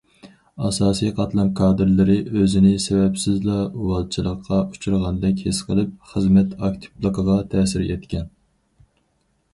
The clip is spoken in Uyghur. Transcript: ئاساسىي قاتلام كادىرلىرى ئۆزىنى سەۋەبسىزلا ئۇۋالچىلىققا ئۇچرىغاندەك ھېس قىلىپ، خىزمەت ئاكتىپلىقىغا تەسىر يەتكەن.